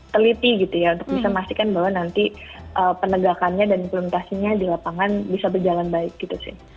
teliti gitu ya untuk bisa memastikan bahwa nanti penegakannya dan implementasinya di lapangan bisa berjalan baik gitu sih